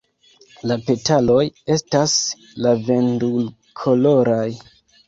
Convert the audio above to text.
La petaloj estas lavendulkoloraj.